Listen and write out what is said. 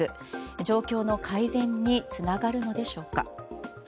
状況の改善につながるのでしょうか。